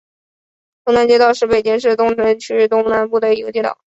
龙潭街道是北京市东城区东南部的一个街道。